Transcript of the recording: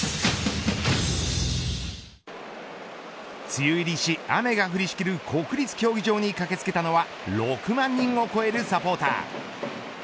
梅雨入りし、雨が降りしきる国立競技場に駆けつけたのは６万人を超えるサポーター。